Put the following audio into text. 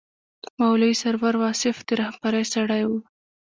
مولوي سرور واصف د رهبرۍ سړی و.